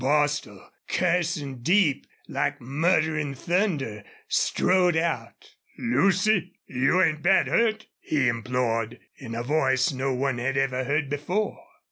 Bostil, cursing deep, like muttering thunder, strode out. "Lucy! You ain't bad hurt?" he implored, in a voice no one had ever heard before.